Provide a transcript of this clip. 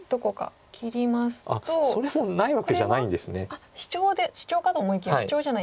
あっシチョウかと思いきやシチョウじゃないですね。